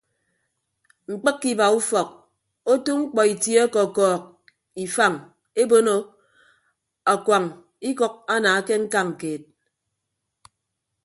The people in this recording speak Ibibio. Mkpịkke iba ufọk otu mkpọ itie ọkọkọọk ifañ ebono akuañ ikʌk ana ke ñkañ keed.